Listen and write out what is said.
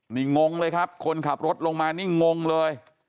นี่งงเลยครับคนขับรถลงมานี่งงเลย